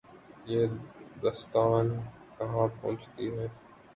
یہ داستان کہاں پہنچتی ہے۔